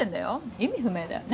意味不明だよね